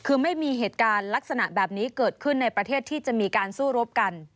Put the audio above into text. คือไม่มีเหตุการณ์ลักษณะแบบนี้เกิดขึ้นในประเทศที่จะมีการสู้รบกัน